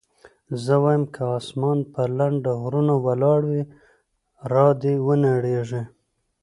زه وايم که اسمان پر لنډه غرو ولاړ وي را دې ونړېږي.